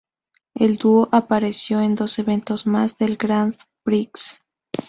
El dúo apareció en dos eventos más del Grand Prix.